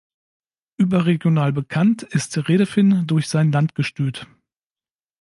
Überregional bekannt ist Redefin durch sein Landgestüt.